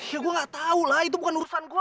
ya gua gak tau lah itu bukan urusan gua